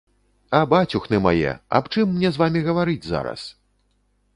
А бацюхны мае, аб чым мне з вамі гаварыць зараз?